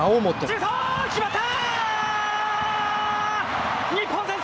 シュート決まった。